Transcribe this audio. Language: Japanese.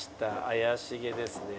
怪しげですね。